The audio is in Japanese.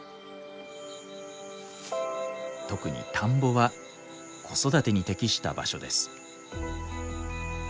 特に田んぼは子育てに適した場所です。